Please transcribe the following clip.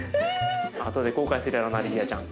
あとで後悔するやろなリリアちゃん。